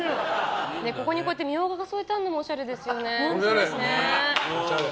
ここに、こうやってミョウガが添えてあるのもおしゃれですよね。